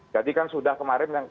jadi kan sudah kemarin